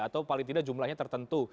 atau paling tidak jumlahnya tertentu